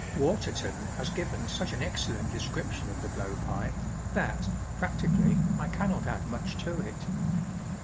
Waterton has given such an excellent description of the blow pipe that, practically, I cannot add much to it.